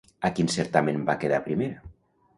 A quin certamen va quedar primera?